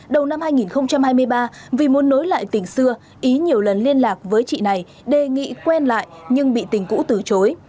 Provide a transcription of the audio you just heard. đầu năm hai nghìn hai mươi ba vì muốn nối lại tình xưa ý nhiều lần liên lạc với chị này đề nghị quen lại nhưng bị tình cũ từ chối